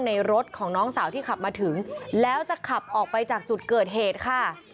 ในรถของน้องสาวที่ขับมาถึงแล้วจะขับออกไปจากจุดเกิดเหตุค่ะ